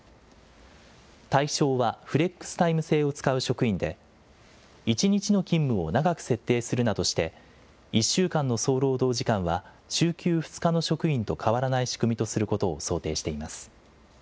対象はフレックスタイム制を使う職員で、１日の勤務を長く設定するなどして、１週間の総労働時間は、週休２日の職員と変わらない仕組みとすることを想定しています。